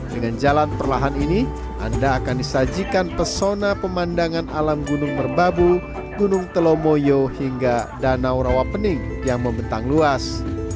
dengan jalan perlahan ini anda akan disajikan pesona pemandangan alam gunung merbabu gunung telomoyo hingga danau rawapening yang membentang luas